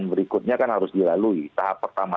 berikutnya kan harus dilalui tahap pertama